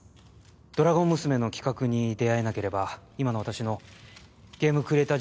「ドラゴン娘」の企画に出会えなければ今の私のゲームクリエイター